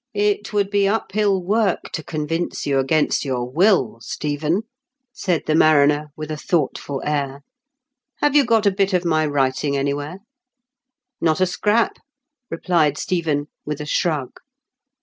" It would be up hill work to convince you against your will, Stephen," said the mariner, with a thoughtful air. " Have you got a bit of my writing anywhere ?" "Not a scrap," replied Stephen, with a shrug.